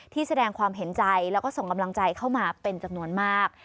แสดงความเห็นใจแล้วก็ส่งกำลังใจเข้ามาเป็นจำนวนมาก